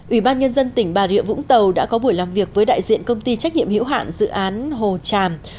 ủy ban nhân dân tỉnh bà rịa vũng tàu đã có buổi làm việc với đại diện công ty trách nhiệm hiểu hạn dự án hồ tràm